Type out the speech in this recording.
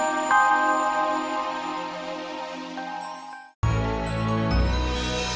ingat ingat settingnya makhluk aku